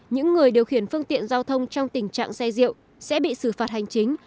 những người điều khiển phương tiện giao thông trong tình trạng xe rượu sẽ bị xử phạt hành chính